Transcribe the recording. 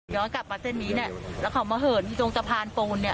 กลับมาเส้นนี้เนี่ยแล้วเขามาเหินอยู่ตรงสะพานปูนเนี่ย